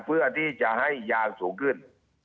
เพื่อที่จะให้ยางสูงขึ้น